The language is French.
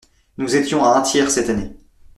Nous étions à un tiers cette année.